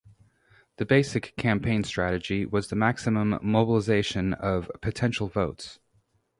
The basic campaign strategy was the maximum mobilization of potential votes.